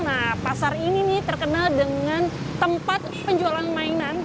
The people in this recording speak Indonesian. nah pasar ini nih terkenal dengan tempat penjualan mainan